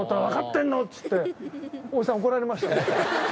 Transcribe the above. わかってんの！？」っつって。